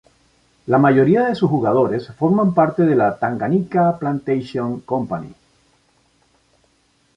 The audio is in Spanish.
La mayoría de sus jugadores forman parte de la Tanganyika Plantation Company.